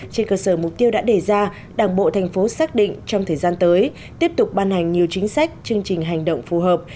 trên cơ sở mục tiêu đã đề ra đảng bộ thành phố xác định trong thời gian tới tiếp tục ban hành nhiều chính sách chương trình hành động phù hợp